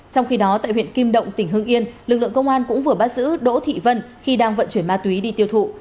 trong khi đó tại huyện kim động tỉnh hương yên lực lượng công an cũng vừa bắt giữ đỗ thị vân khi đang vận chuyển ma túy đi tiêu thụ